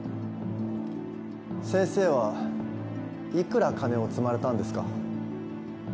先生は幾ら金を積まれたんですか？